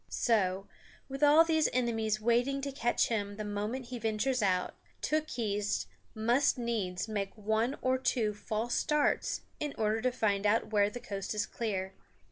So, with all these enemies waiting to catch him the moment he ventures out, Tookhees must needs make one or two false starts in order to find out where the coast is clear.